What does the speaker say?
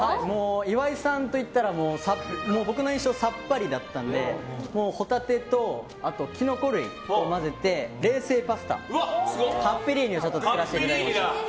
岩井さんといったら僕の印象はさっぱりだったのでホタテとキノコ類を混ぜて冷製パスタ、カッペリーニを作らせていただきました。